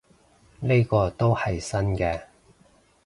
呢個都係新嘅